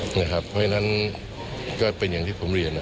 เพราะฉะนั้นก็เป็นอย่างที่ผมเรียน